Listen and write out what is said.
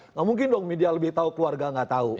nggak mungkin dong media lebih tahu keluarga nggak tahu